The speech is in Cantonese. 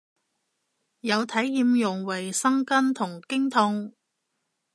有體驗用衛生巾同經痛